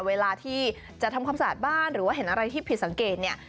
เวลาที่จะทำความสะอาดบ้านหรือว่าเห็นอะไรที่ผิดสังเกตเนี่ย